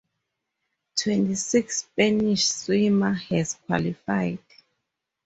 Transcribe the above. Twenty six Spanish swimmer has qualified.